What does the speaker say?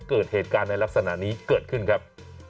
เกิดเหตุการณ์ในลักษณะนี้เกิดขึ้นครับ